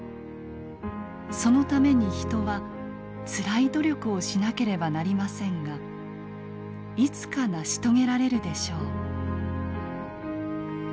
そのために人はつらい努力をしなければなりませんがいつか成し遂げられるでしょう」。